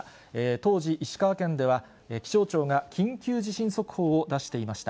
当時、石川県では気象庁が緊急地震速報を出していました。